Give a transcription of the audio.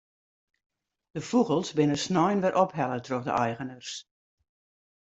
De fûgels binne snein wer ophelle troch de eigeners.